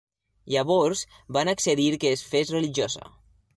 Llavors van accedir que es fes religiosa.